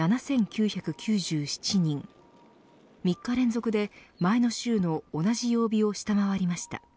６日連続で前の週の同じ曜日を下回りました。